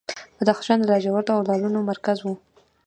بدخشان د لاجوردو او لعلونو مرکز و